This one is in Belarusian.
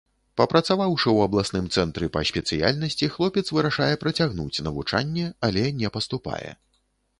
Папрацаваўшы ў абласным цэнтры па спецыяльнасці, хлопец вырашае працягнуць навучанне, але не паступае.